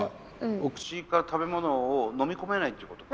お口から食べ物を飲み込めないっていうことか。